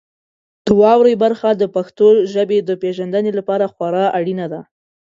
د واورئ برخه د پښتو ژبې د پیژندنې لپاره خورا اړینه ده.